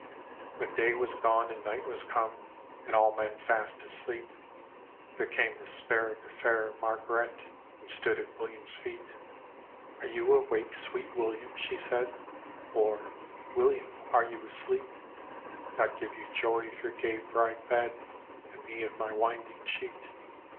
When day was gone and night was come, And all men fast asleep. There came the spirit of fair Marg'ret, And stood at William's feet. "Arc you awake, sweet William?" she said, " Or, William, are you asleep? God give you joy of your gay bride bed. And me of my winding sheet."